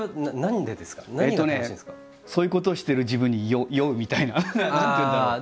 そういうことをしてる自分に酔うみたいな何ていうんだろう。